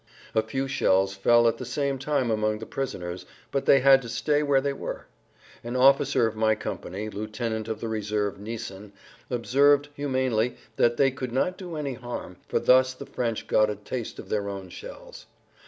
A few shells fell at the same time among the prisoners, but they had to stay where they were. An officer of my company, lieutenant of the reserve Neesen, observed humanely that that could not do any harm, for thus the French got a taste of their own shells.